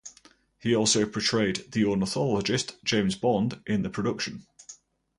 He also portrayed the ornithologist James Bond in the production.